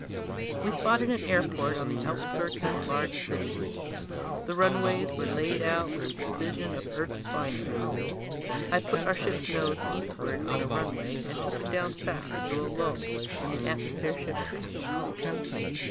We spotted an airport on the outskirts of a large city. The runways were laid out with the precision of Earth's finest. I put our ship's nose eastward on a runway and took it down fast through a lull in the atmosphere ship traffic.